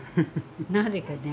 なぜかね。